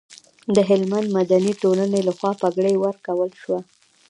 د هلمند مدني ټولنې لخوا بګړۍ ورکول شوه.